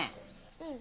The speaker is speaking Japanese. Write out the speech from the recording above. うん。